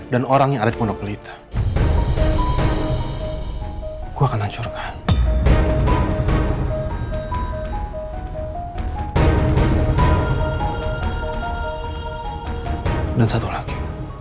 dan orang yang ada di monopolita gua akan hancurkan dan satu lagi